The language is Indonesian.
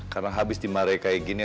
karena habis dimarahi kayak gini